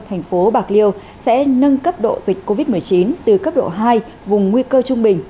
thành phố bạc liêu sẽ nâng cấp độ dịch covid một mươi chín từ cấp độ hai vùng nguy cơ trung bình